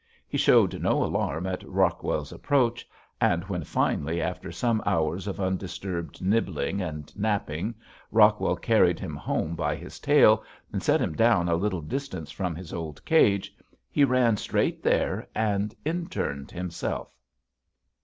He showed no alarm at Rockwell's approach, and, when finally after some hours of undisturbed nibbling and napping Rockwell carried him home by his tail and set him down a little distance from his old cage, he ran straight there and interned himself.